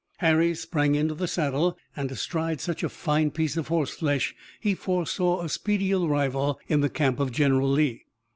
Harry sprang into the saddle, and, astride such a fine piece of horseflesh, he foresaw a speedy arrival in the camp of General Lee.